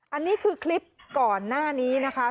อันนี้คือคลิปก่อนหน้านี้นะคะ